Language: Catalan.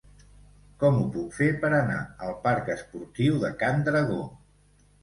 Com ho puc fer per anar al parc Esportiu de Can Dragó?